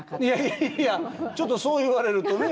いやいやちょっとそう言われるとね。